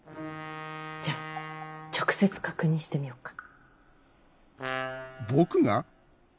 じゃあ直接確認してみよっか。